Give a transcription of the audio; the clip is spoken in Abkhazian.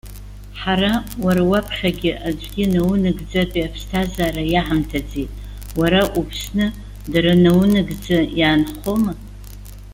Ҳара, уара уаԥхьагьы аӡәгьы наунагӡатәи аԥсҭазаара иаҳамҭаӡеит. Уара уԥсны, дара наунагӡа иаанхома?